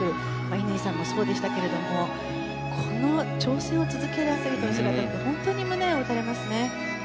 乾さんもそうでしたけれどもこの挑戦を続けるアスリートの姿って本当に胸を打たれますね。